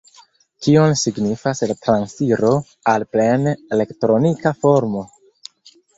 Kion signifas la transiro al plene elektronika formo?